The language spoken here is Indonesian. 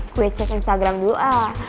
gue cek instagram dulu ah